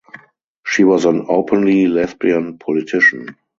She was an openly lesbian politician.